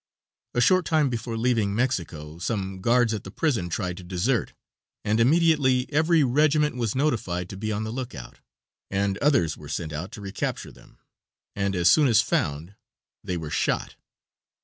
A short time before leaving Mexico some guards at the prison tried to desert, and immediately every regiment was notified to be on the lookout, and others were sent out to recapture them, and as soon as found they were shot.